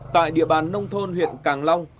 tại địa bàn nông thôn huyện càng long